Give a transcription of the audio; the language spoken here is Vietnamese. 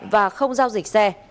và không giao dịch xe